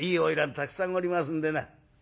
たくさんおりますんでな。